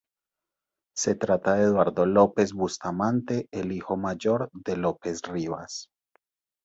Se trata de Eduardo López Bustamante, el hijo mayor de López Rivas.